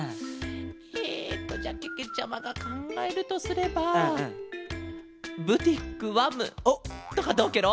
えっとじゃあけけちゃまがかんがえるとすれば「ブティックわむ」とかどうケロ？